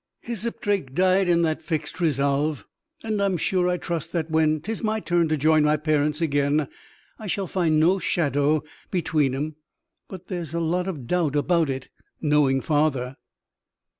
Hyssop Drake died in that fixed resolve; and I'm sure I trust that, when 'tis my turn to join my parents again, I shall find no shadow between 'em. But there's a lot of doubt about it knowing father.